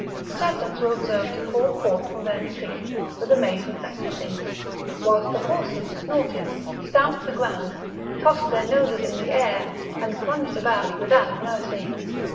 Serpents were observed to crawl forth from their retreats with amazement and hissings, whilst the horses snorted, stamped the ground, tossed their noses in the air, and plunged about without mercy.